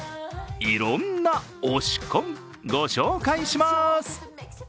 いろんな推し婚ご紹介します。